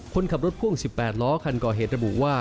คนขับรถพ่วง๑๘ล้อคันก่อเหตุระบุว่า